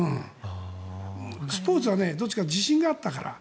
スポーツはどっちかというと自信があったから。